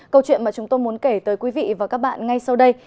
câu chuyện mà chúng tôi muốn kể tới quý vị và các bạn ngay sau đây